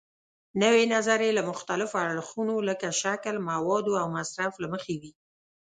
نوې نظریې له مختلفو اړخونو لکه شکل، موادو او مصرف له مخې وي.